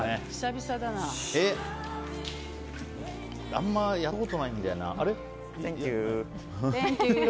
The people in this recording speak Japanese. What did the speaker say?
あんまりやったことないんだよな。